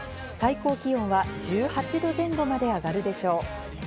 最高気温は１８度前後まで上がるでしょう。